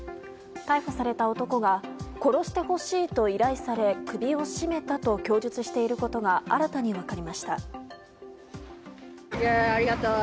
逮捕された男が殺してほしいと依頼され首を絞めたと供述していることが新たに分かりました。